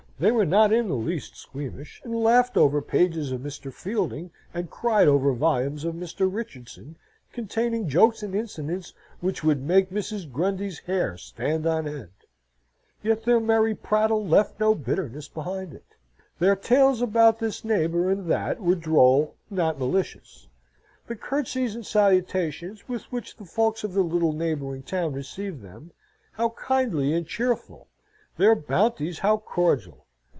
They were not in the least squeamish; and laughed over pages of Mr. Fielding, and cried over volumes of Mr. Richardson, containing jokes and incidents which would make Mrs. Grundy's hair stand on end, yet their merry prattle left no bitterness behind it: their tales about this neighbour and that were droll, not malicious; the curtseys and salutations with which the folks of the little neighbouring town received them, how kindly and cheerful! their bounties how cordial!